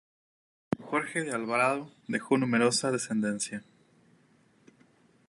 Jorge de Alvarado dejó numerosa descendencia.